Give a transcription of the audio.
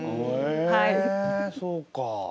へえそうか。